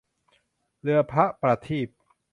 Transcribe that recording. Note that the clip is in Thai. เรือพระประเทียบ